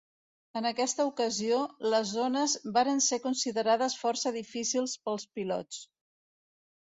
En aquesta ocasió, les zones varen ser considerades força difícils pels pilots.